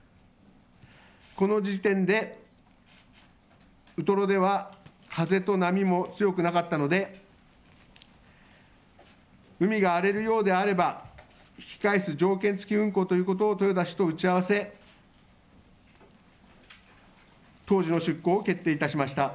この時点でウトロでは風と波も強くなかったので海が荒れるようであれば引き返す条件付き運航ということを豊田氏と打ち合わせ当時の出航を決定いたしました。